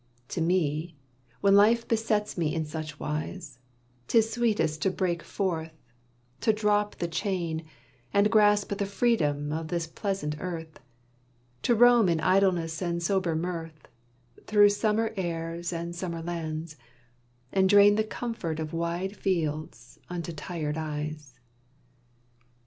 To me, when life besets me in such wise, 'Tis sweetest to break forth, to drop the chain, And grasp the freedom of this pleasant earth, To roam in idleness and sober mirth, Through summer airs and summer lands, and drain The comfort of wide fields unto tired eyes.